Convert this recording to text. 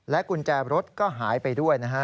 กุญแจรถก็หายไปด้วยนะฮะ